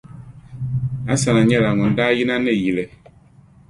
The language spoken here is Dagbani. Asana nyɛla ŋun daa yina ni yili.